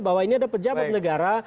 bahwa ini ada pejabat negara